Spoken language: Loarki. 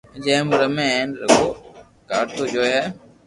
جي مون رمي ھي ھين رگو ڪارٽون جوئي ھي